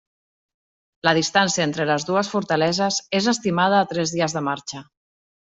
La distància entre les dues fortaleses és estimada a tres dies de marxa.